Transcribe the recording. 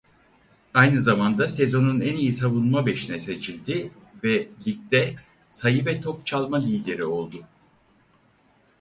Aynı zamanda Sezonun En İyi Savunma Beşi'ne seçildi ve ligde sayı ve top çalma lideri oldu.